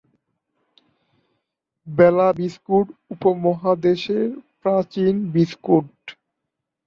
বেলা biscuit উপমহাদেশের প্রাচীন biscuit.